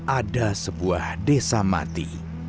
ada sebuah desa mati